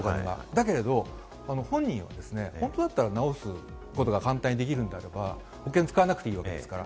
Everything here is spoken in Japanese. だけれども、本人にはですね、直すことが簡単にできるならば保険は使わなくていいわけですから、